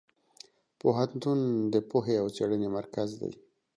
پوهنتون د پوهې او څېړنې مرکز دی.